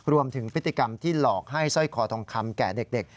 รวมถึงพฤติกรรมที่หลอกให้สร้อยคอทองคำแก่เด็ก